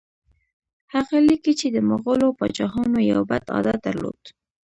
هغه لیکي چې د مغولو پاچاهانو یو بد عادت درلود.